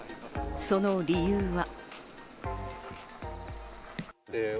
その理由は？